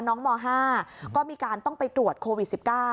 ม๕ก็มีการต้องไปตรวจโควิด๑๙